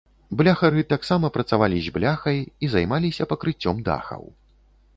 Бляхары таксама працавалі з бляхай і займаліся пакрыццём дахаў.